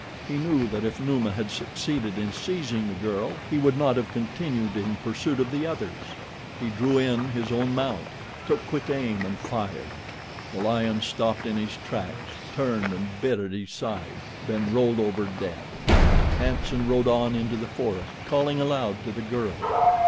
He knew that if Numa had succeeded in seizing the girl he would not have continued in pursuit of the others. He drew in his own mount, took quick aim and fired. The lion stopped in his tracks, turned and bit at his side, then rolled over dead. Hanson rode on into the forest, calling aloud to the girl.